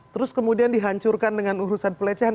terus kemudian dihancurkan dengan urusan pelecehan